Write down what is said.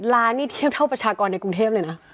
ล้านนี่เทียบเท่าประชากรในกรุงเทพเลยนะ